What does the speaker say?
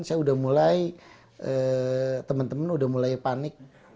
saya udah mulai teman teman udah mulai panik